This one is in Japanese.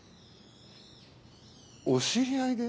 お知り合いで？